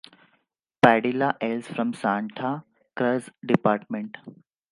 Padilla hails from the Santa Cruz Department.